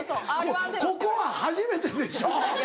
ここは初めてでしょ！